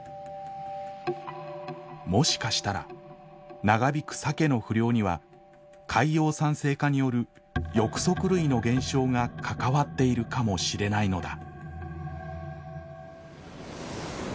もしかしたら長引くサケの不漁には海洋酸性化による翼足類の減少が関わっているかもしれないのだ。